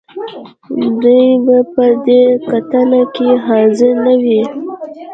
دې به په دې کتنه کې حاضر نه وي.